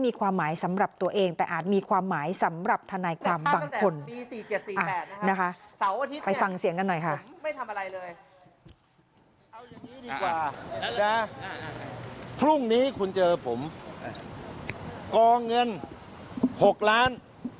มีความหมายสำหรับตัวเองแต่อาจมีความหมายสำหรับทนายความบางคนนะคะ